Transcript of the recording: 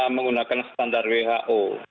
menggunakan standar who